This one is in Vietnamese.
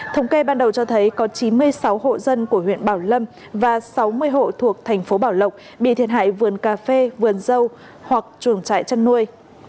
thống kê ban đầu cho thấy có chín mươi sáu hộ dân của huyện bảo lâm và sáu mươi hộ thuộc thành phố bảo lộc bị thiệt hại vườn cà phê vườn dâu hoặc chuồng trại chăn nuôi